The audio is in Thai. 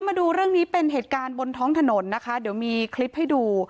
มาดูเรื่องนี้เป็นเหตุการณ์บนท้องถนนนะคะเดี๋ยวมีคลิปให้ดู